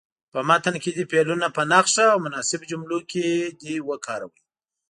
په متن کې دې فعلونه په نښه او په مناسبو جملو کې وکاروئ.